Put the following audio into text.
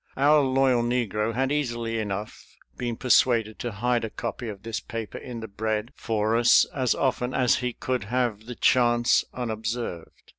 Our loyal negro had easily enough been persuaded to hide a copy of this paper in the bread for us as often as he could have the chance unobserved.